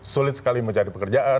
sulit sekali mencari pekerjaan